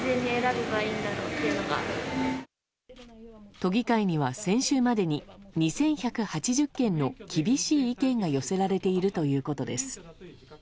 都議会には先週までに２１８０件の厳しい意見が寄せられているということです。